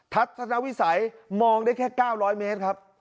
ทัศนวิสัยมองได้แค่๙๐๐เมตรครับ